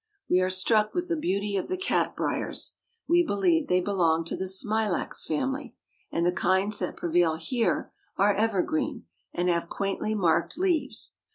We are struck with the beauty of the cat briers. We believe they belong to the smilax family; and the kinds that prevail here are evergreen, and have quaintly marked leaves.